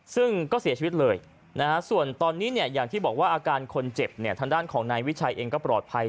ซึ่งก็เสียชีวิตเลยส่วนตอนนี้อย่างที่บอกว่าอาการคนเจ็บทางด้านของนายวิชัยเองก็ปลอดภัย